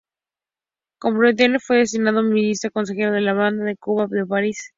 Carpentier fue designado ministro consejero de la Embajada de Cuba en París.